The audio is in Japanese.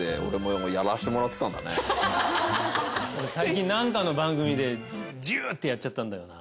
最近なんかの番組でジュってやっちゃったんだよな。